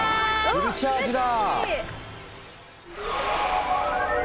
フルチャージだ！